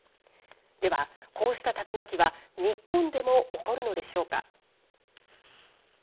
では、こうした竜巻は日本でも起こるのでしょうか。